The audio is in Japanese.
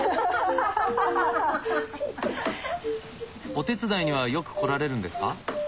お手伝いにはよく来られるんですか？